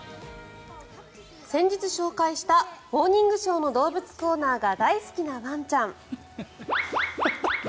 先日紹介した「モーニングショー」の動物コーナーが大好きなワンちゃん。